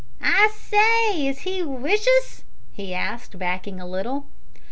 "I say, is he wicious?" he asked, backing a little.